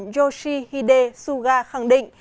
yoshihide suga khẳng định